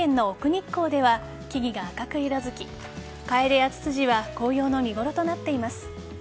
日光では木々が赤く色づきカエデやツツジは紅葉の見ごろとなっています。